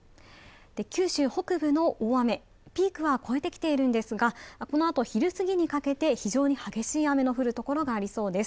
九州北部の大雨、ピークは超えてきているんですが、このあと昼すぎにかけて非常に激しい雨が降る所がありそうです。